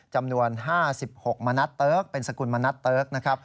จำนวน๕๖มนัฏเติร์กเป็นสกุลมนัฏเติร์ก